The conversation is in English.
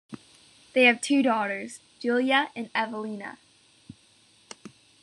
They have two daughters, Giulia and Evelina.